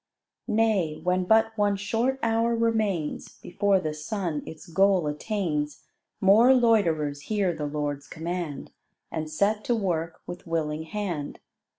Nay, when but one short hour remains Before the sun its goal attains, More loiterers hear the Lord's command And set to work with willing hand.